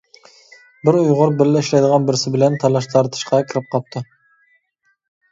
بىر ئۇيغۇر بىللە ئىشلەيدىغان بىرسى بىلەن تالاش-تارتىشقا كىرىپ قاپتۇ.